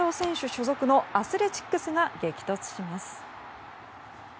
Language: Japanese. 所属のアスレチックスが激突します。